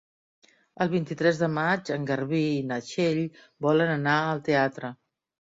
El vint-i-tres de maig en Garbí i na Txell volen anar al teatre.